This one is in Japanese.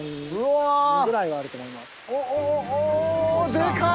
でかい！